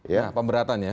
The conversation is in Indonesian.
ya pemberatan ya